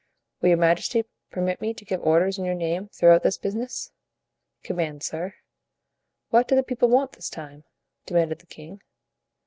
"Will your majesty permit me to give orders in your name throughout this business?" "Command, sir." "What do the people want this time?" demanded the king.